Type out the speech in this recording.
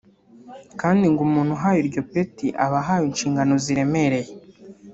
kandi ngo umuntu uhawe iryo peti aba ahawe inshingano ziremereye